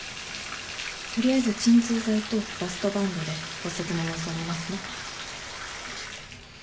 取りあえず鎮痛剤とバストバンドで骨折の様子を見ますね。